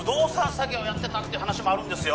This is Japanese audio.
詐欺をやってたって話もあるんですよ